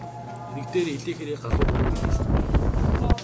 Эрэг дээр элээ хэрээ галуу гурав эргэлдэнэ.